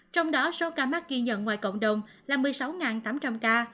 trong đó số ca mắc ghi nhận ngoài cộng đồng là một mươi sáu tám trăm linh ca